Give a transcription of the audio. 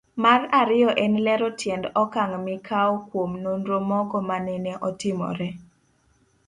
Mar ariyo en lero tiend okang' mikawo kuom nonro mogo manene otimore.